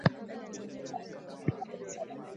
wengine wa Washia Walibomoa makaburi na kuua wakazi